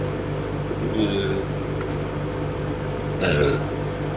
Fair election working গ্রুপের নির্বাহী পরিচালক আলীমুজ্জামানের মুখ থেকে শোনা এটি।